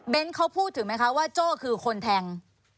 เขาพูดถึงไหมคะว่าโจ้คือคนแทง